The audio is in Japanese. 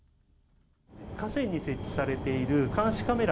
河川に設置されている監視カメラ。